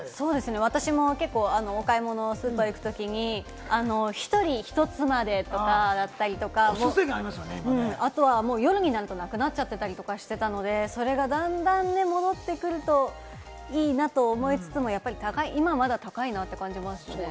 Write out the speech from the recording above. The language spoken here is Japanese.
私も結構お買い物をスーパー行くときに、１人１つまでとかだったり、あとは夜になるとなくなっちゃったりとかするので、それがだんだん戻ってくるといいなと思いつつもやっぱり高いなって感じますね。